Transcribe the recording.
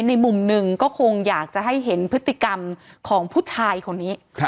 ในมุมหนึ่งก็คงอยากจะให้เห็นพฤติกรรมของผู้ชายคนนี้